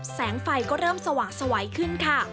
แสงไฟก็เริ่มสว่างสวัยขึ้นค่ะ